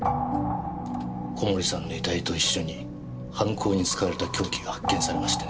小森さんの遺体と一緒に犯行に使われた凶器が発見されましてね。